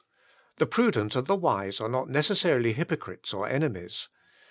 The prudent and the wise are not necessarily hypocrites or enemies.